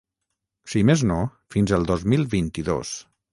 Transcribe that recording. Si més no, fins el dos mil vint-i-dos.